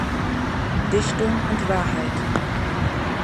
Dichtung und Wahrheit.